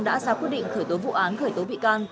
đã ra quyết định khởi tố vụ án khởi tố bị can